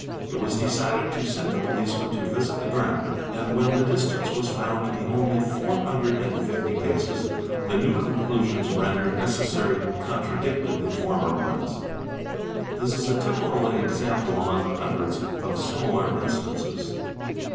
It was decided to send a policeman to visit the ground, and when the distance was found 'to be only four hundred and fifty paces the new conclusions rendered necessary contradicted the former ones. 'This is a typical example among hundreds of similar instances.